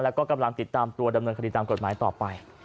แล้วก็กำลังติดตามตัวดำเนินคดีตามกฎหมายต่อไป